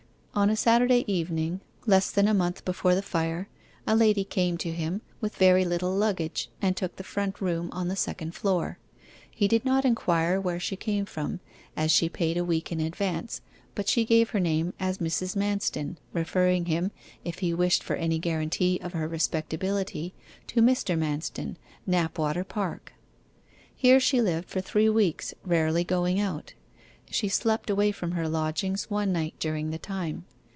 On a Saturday evening less than a month before the fire, a lady came to him, with very little luggage, and took the front room on the second floor. He did not inquire where she came from, as she paid a week in advance, but she gave her name as Mrs. Manston, referring him, if he wished for any guarantee of her respectability, to Mr. Manston, Knapwater Park. Here she lived for three weeks, rarely going out. She slept away from her lodgings one night during the time.